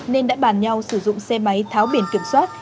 nên đã bàn nhau sử dụng xe máy tháo biển kiểm soát